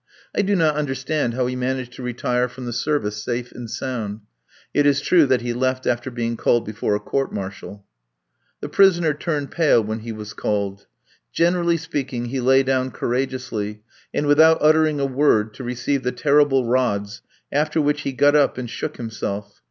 I do not understand how he managed to retire from the service safe and sound. It is true that he left after being called before a court martial. The prisoner turned pale when he was called; generally speaking, he lay down courageously, and without uttering a word, to receive the terrible rods, after which he got up and shook himself.